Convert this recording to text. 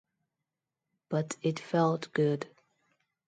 But it felt good.